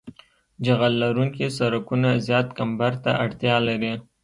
جغل لرونکي سرکونه زیات کمبر ته اړتیا لري